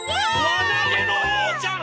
わなげのおうちゃん！